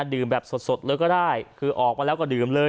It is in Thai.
ดื่มแบบสดเลยก็ได้คือออกมาแล้วก็ดื่มเลย